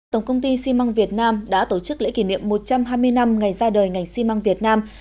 tổng công ty xi măng việt nam đã tổ chức lễ kỷ niệm một trăm hai mươi năm ngày ra đời ngành xi măng việt nam